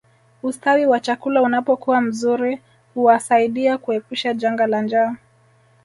Ustawi wa chakula unapokuwa mzuri huasaidia kuepusha janga la njaa